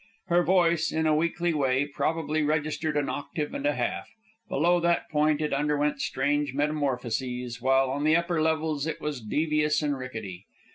Her voice, in a weakly way, probably registered an octave and a half; below that point it underwent strange metamorphoses, while on the upper levels it was devious and rickety.